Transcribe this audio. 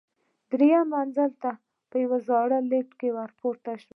درېیم منزل ته په یوه زړه لفټ کې ورپورته شوم.